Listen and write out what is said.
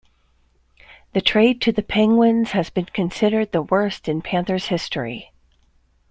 The trade to the Penguins has been considered the worst in Panthers history.